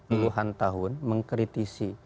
puluhan tahun mengkritisi